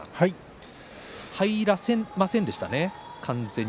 入らせませんでしたね完全に。